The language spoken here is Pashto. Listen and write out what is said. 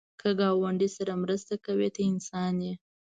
که ګاونډي سره مرسته کوې، ته انسان یې